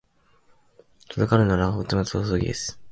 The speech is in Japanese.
鳴かぬなら鳴くまで待とうホトトギス